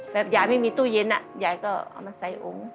ยายไม่มีตู้เย็นยายก็เอามาใส่องค์